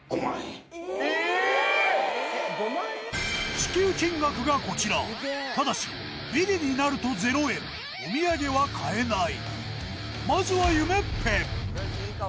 支給金額がこちらただしビリになると０円お土産は買えないまずは夢っぺいい顔してる。